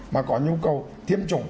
mà có nhu cầu tiêm chủng